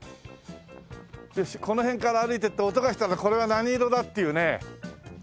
よしこの辺から歩いて行って音がしたらこれは何色だ？っていうね。